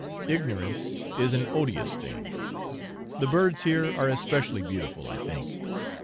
Ignorance is an odious thing. The birds here are especially beautiful, I think.